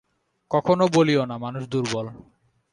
কখনও বলিও না, মানুষ দুর্বল।